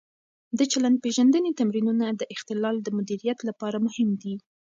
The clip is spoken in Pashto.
د چلند-پېژندنې تمرینونه د اختلال د مدیریت لپاره مهم دي.